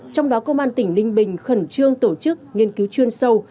trong đó công an tỉnh ninh bình khẩn trương tổ chức nghiên cứu chuyên sâu